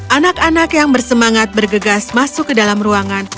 anak anak yang bersemangat bergegas masuk ke dalam ruangan